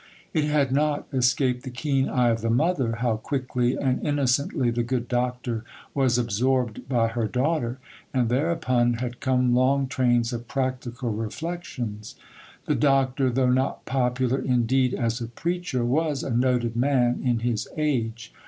It had not escaped the keen eye of the mother how quickly and innocently the good Doctor was absorbed by her daughter, and thereupon had come long trains of practical reflections. The Doctor, though not popular indeed as a preacher, was a noted man in his age.